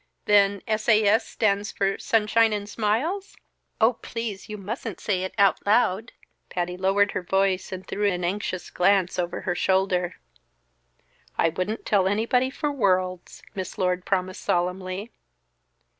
"Then S. A. S. stands for 'Sunshine and Smiles?'" "Oh, please! You mustn't say it out loud," Patty lowered her voice and threw an anxious glance over her shoulder. "I wouldn't tell anybody for worlds," Miss Lord promised solemnly.